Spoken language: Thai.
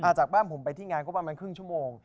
จากบ้านผมไปที่งานก็ประมาณครึ่งชั่วโมง